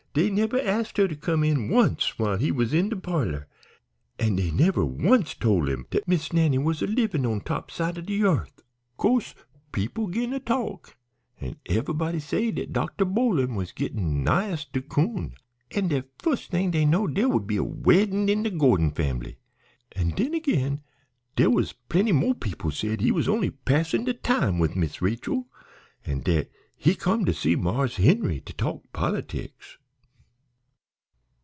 Dey never asked her to come in once while he was in de parlor, an' dey never once tole him dat Miss Nannie was a livin' on de top side o' de yearth! "Co'se people 'gin to talk, an' ev'ybody said dat Dr. Boling was gittin' nighest de coon, an' dat fust thing dey'd know dere would be a weddin' in de Gordon fambly. An' den agin dere was plenty mo' people said he was only passin' de time wid Miss Rachel, an' dat he come to see Marse Henry to talk pol'tics.